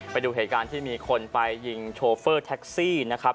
ไปดูเหตุการณ์ที่มีคนไปยิงโชเฟอร์แท็กซี่นะครับ